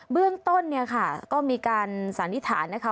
เบื้องต้นเนี่ยค่ะก็มีการสันนิษฐานนะคะ